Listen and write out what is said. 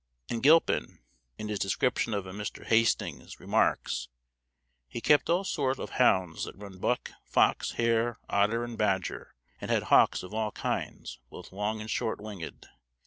And Gilpin, in his description of a Mr. Hastings, remarks, "He kept all sorts of hounds that run buck, fox, hare, otter, and badger; and had hawks of all kinds both long and short winged.